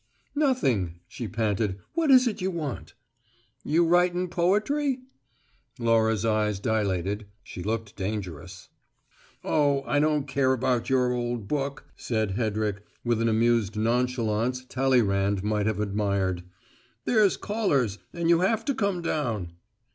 "Nothing," she panted. "What is it you want?" "You writin' poetry?" Laura's eyes dilated; she looked dangerous. "Oh, I don't care about your old book," said Hedrick, with an amused nonchalance Talleyrand might have admired. "There's callers, and you have to come down."